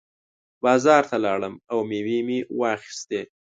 بازار ته لاړم او مېوې مې واخېستې.